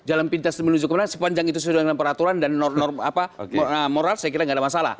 jalan pintas menuju kemenangan sepanjang itu sesuai dengan peraturan dan moral saya kira tidak ada masalah